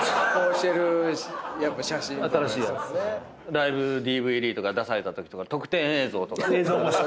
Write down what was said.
ライブＤＶＤとか出されたときとか特典映像とか。